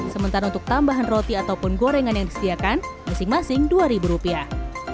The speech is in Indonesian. sementara untuk tambahan roti ataupun gorengan yang disediakan masing masing dua ribu rupiah